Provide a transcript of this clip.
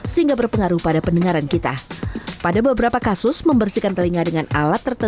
sehingga berpengaruh pada pendengaran kita pada beberapa kasus membersihkan telinga dengan alat tertentu